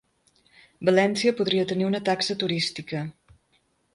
València podria tenir una taxa turística